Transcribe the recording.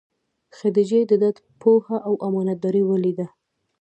خدیجې دده پوهه او امانت داري ولیده.